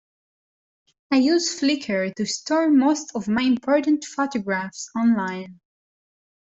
I use Flickr to store most of my important photographs online